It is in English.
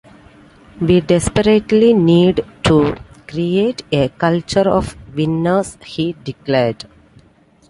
"We desperately need to create a culture of winners," he declared.